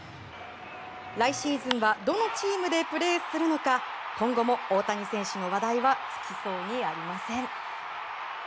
来シーズンはどのチームでプレーするのか今後も大谷選手の話題は尽きそうにありません。